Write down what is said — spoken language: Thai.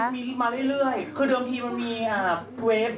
มีมาเรื่อยคือเดิมทีมันมีเวฟ